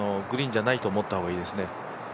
グリーンじゃないと思った方がいいですね。